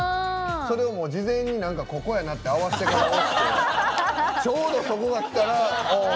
事前に、ここやなって合わせてから押してちょうどそこやったらおお！